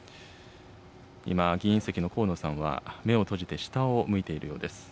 今、議員席の河野さんは目を閉じて下を向いているようです。